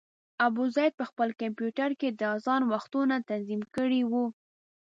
ابوزید په خپل کمپیوټر کې د اذان وختونه تنظیم کړي وو.